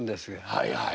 はいはい。